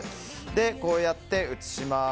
こうやって移します。